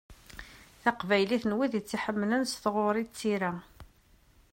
Taqbaylit n wid i tt-ḥemmlen s tɣuri d tira.